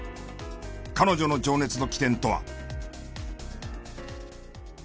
彼女の情熱の起点とは？